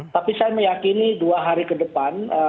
tapi saya meyakini dua hari ke depan